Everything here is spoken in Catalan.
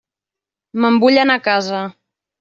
Me'n vull anar a casa.